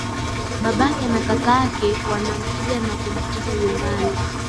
Babake na kakake wanampiga na kumfukuza nyumbani